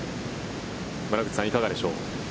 村口さん、いかがでしょう。